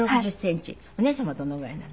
お姉様はどのぐらいになるの？